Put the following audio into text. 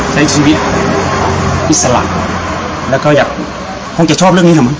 ใช้ชีวิตอิสระแล้วก็อยากคงจะชอบเรื่องนี้เหรอมั